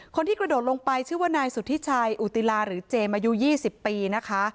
คนที่กระโดดลงไปชื่อว่านายสุธิชัยอุติลาหรือเจมส์อายุ๒๐ปีนะคะ